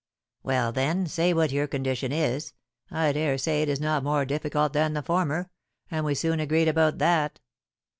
"Well, then, say what your other condition is. I dare say it is not more difficult than the former, and we soon agreed about that."